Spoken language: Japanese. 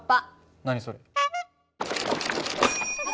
何それ？